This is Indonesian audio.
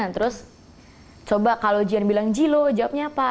terus coba kalau jian bilang jilo jawabnya apa